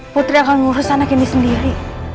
putri akan mengurus anak ini sendiri